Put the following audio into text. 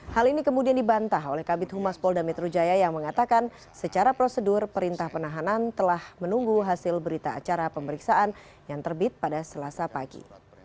hal ini kemudian dibantah oleh kabit humas polda metro jaya yang mengatakan secara prosedur perintah penahanan telah menunggu hasil berita acara pemeriksaan yang terbit pada selasa pagi